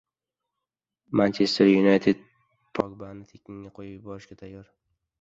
"Manchester Yunayted" Pogbani tekinga qo‘yib yuborishga tayyor